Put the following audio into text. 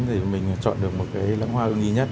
để mình chọn được một loại hoa ưu nghĩa nhất